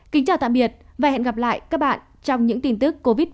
kính chào tạm biệt và hẹn gặp lại các bạn trong những tin tức covid một mươi chín